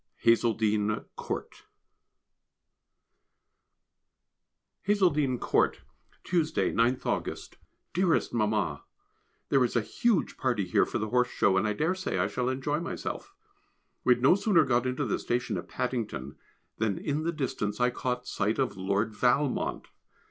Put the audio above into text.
HAZELDENE COURT Hazeldene Court, Tuesday, 9th August. [Sidenote: The Horse Show] Dearest Mamma, There is a huge party here for the Horse Show, and I daresay I shall enjoy myself. We had no sooner got into the station at Paddington than in the distance I caught sight of Lord Valmond.